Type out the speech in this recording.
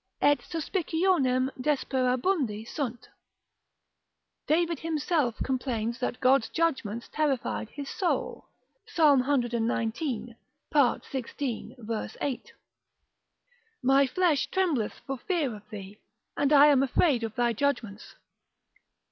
et suspicionem desperabundi sunt. David himself complains that God's judgments terrified his soul, Psalm cxix. part. 16. vers. 8. My flesh trembleth for fear of thee, and I am afraid of thy judgments.